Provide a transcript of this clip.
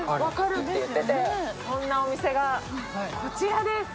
そんなお店がこちらです。